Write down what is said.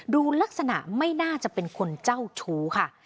ดูลักษณะไม่น่าจะเป็นคนเจ้าชู้ค่ะ